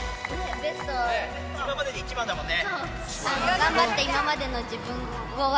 今までで一番だもんね。